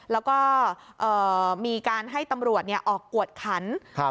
แล้วก็มีการให้ตำรวจออกกวดขัน